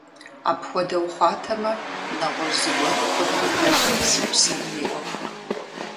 Апхуэдэу хъуатэмэ, нэгъуэщӀ зыгуэру хъунри хэлът си усэным и Ӏуэхур.